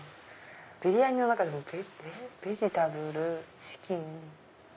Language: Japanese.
ビリヤニの中でもベジタブルチキン。